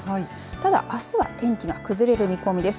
ただ、あすは天気が崩れる見込みです。